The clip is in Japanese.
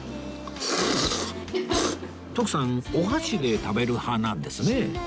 徳さんお箸で食べる派なんですね